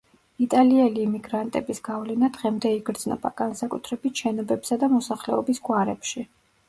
იტალიელი იმიგრანტების გავლენა დღემდე იგრძნობა, განსაკუთრებით შენობებსა და მოსახლეობის გვარებში.